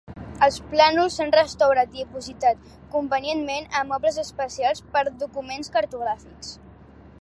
Els plànols s’han restaurat i dipositat convenientment en mobles especials per a documents cartogràfics.